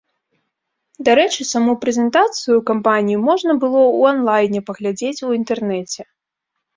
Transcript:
Дарэчы, саму прэзентацыю кампаніі можна было ў ан-лайне паглядзець у інтэрнэце.